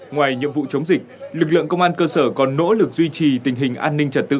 ngoài nhiệm vụ chống dịch lực lượng công an cơ sở còn nỗ lực duy trì tình hình an ninh trật tự